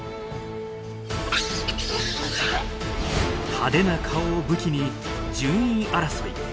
派手な顔を武器に順位争い。